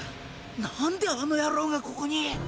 なんであの野郎がここに！？